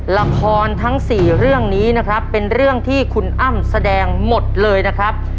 ละครทั้ง๔เรื่องนี้นะครับเป็นเรื่องที่คุณอ้ำแสดงหมดเลยนะครับ